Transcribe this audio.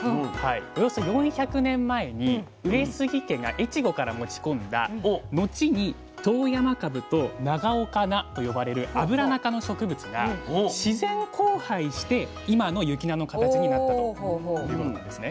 およそ４００年前に上杉家が越後から持ち込んだのちに遠山かぶと長岡菜と呼ばれるアブラナ科の植物が自然交配して今の雪菜の形になったということなんですね。